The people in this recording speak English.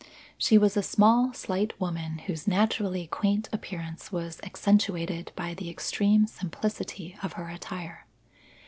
She was a small, slight woman whose naturally quaint appearance was accentuated by the extreme simplicity of her attire.